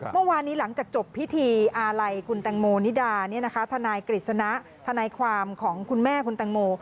เมื่อวานนี้หลังจากจบพิธีอาลัยคุณแตงโมนิดาทนายกฤษณะทนายความของคุณแม่คุณแตงโม